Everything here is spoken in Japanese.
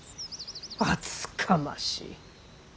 厚かましい。